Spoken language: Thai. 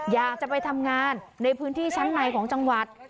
อยากจะไปทำงานในพื้นที่ชั้นในของจังหวัด